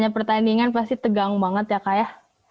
pertandingan pasti tegang banget ya kak ya